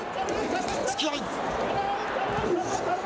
突き合い。